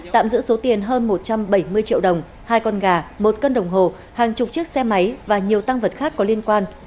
tạm giữ số tiền hơn một trăm bảy mươi triệu đồng hai con gà một cân đồng hồ hàng chục chiếc xe máy và nhiều tăng vật khác có liên quan